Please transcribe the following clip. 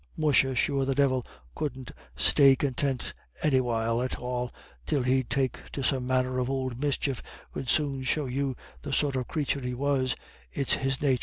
"Musha, sure the Divil couldn't stay contint anywhile at all till he'd take to some manner of ould mischief 'ud soon show you the sort of crathur he was it's his nathur.